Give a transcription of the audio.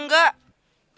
nggak kok enggak